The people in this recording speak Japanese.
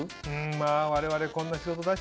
まぁ我々こんな仕事だしね。